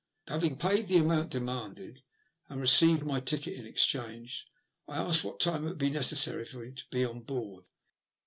Having paid the amount demanded, and received my ticket in exchange, I asked what time it would be necessary for me to be on board.